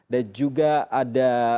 dan juga ada